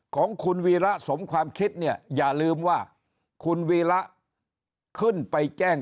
ของคุณวีระสมความคิดเนี่ยอย่าลืมว่าคุณวีระขึ้นไปแจ้ง